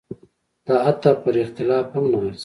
دا حتی پر اختلاف هم نه ارزي.